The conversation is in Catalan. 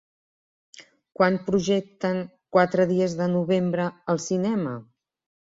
Quan projecten Quatre dies de novembre al cinema?